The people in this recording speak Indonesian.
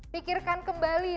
pikirkan kembali risikonya